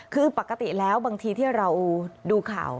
คือปกติแล้วบางทีที่เราดูข่าว